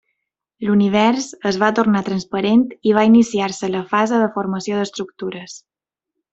L'univers es va tornar transparent i va iniciar-se la fase de formació d'estructures.